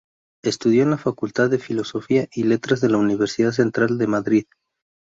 Estudió en la Facultad de Filosofía y Letras de la Universidad Central de Madrid.